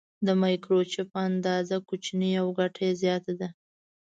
د مایکروچپ اندازه کوچنۍ او ګټه یې زیاته ده.